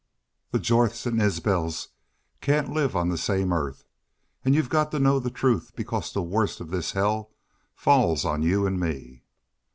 The Jorths and the Isbels can't live on the same earth.... And you've got to know the truth because the worst of this hell falls on you and me."